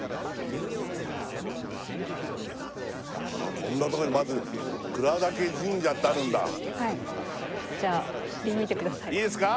こんなとこにまず倉岳神社ってあるんだはいじゃあ振り向いてくださいいいですか？